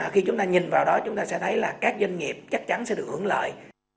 khi chúng ta nhìn vào đó chúng ta sẽ thấy là các doanh nghiệp chắc chắn sẽ được hưởng lợi